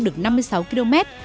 được năm mươi sáu km